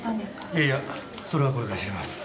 いやいやそれはこれから調べます。